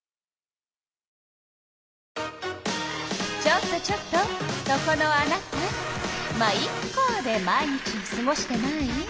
ちょっとちょっとそこのあなた「ま、イッカ」で毎日をすごしてない？